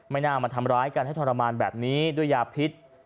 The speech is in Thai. น่ามาทำร้ายกันให้ทรมานแบบนี้ด้วยยาพิษ